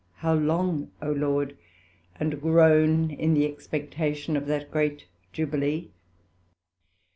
How long, O Lord? and groan in the expectation of that great Jubilee.